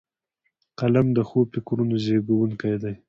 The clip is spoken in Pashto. قلم د ښو فکرونو زیږوونکی دی